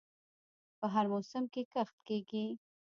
په هر موسم کې کښت کیږي.